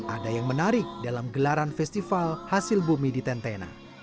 ada yang menarik dalam gelaran festival hasil bumi di tentena